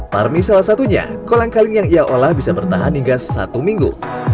parmi salah satunya kolang kaling yang ia olah bisa bertahan hingga satu minggu